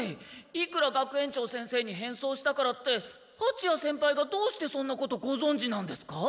いくら学園長先生に変装したからってはちや先輩がどうしてそんなことごぞんじなんですか？